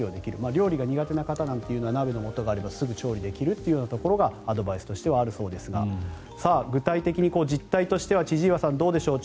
料理が苦手な方なんていうのは鍋のもとがあればすぐに調理できるというところがアドバイスとしてはあるようですが具体的に実態としては千々岩さん、どうでしょう。